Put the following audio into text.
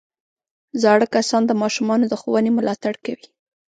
زاړه کسان د ماشومانو د ښوونې ملاتړ کوي